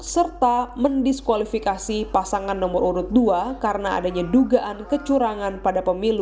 serta mendiskualifikasi pasangan nomor urut dua karena adanya dugaan kecurangan pada pemilu dua ribu sembilan belas